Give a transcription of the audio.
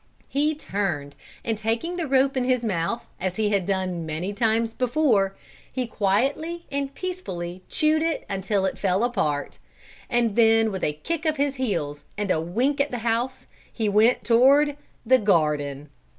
He turned, and taking the rope in his mouth as he had done many times before, he quietly and peacefully chewed it until it fell apart, and then with a kick of his heels, and a wink at the house, he went toward the garden.